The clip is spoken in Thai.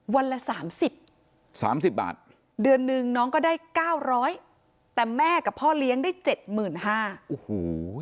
ละสามสิบสามสิบบาทเดือนหนึ่งน้องก็ได้เก้าร้อยแต่แม่กับพ่อเลี้ยงได้เจ็ดหมื่นห้าโอ้โห